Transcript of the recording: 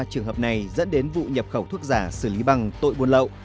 ba trường hợp này dẫn đến vụ nhập khẩu thuốc giả xử lý bằng tội buôn lậu